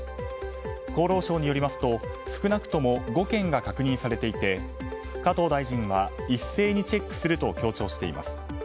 厚労省によりますと少なくとも５件が確認されていて加藤大臣は一斉にチェックすると強調しています。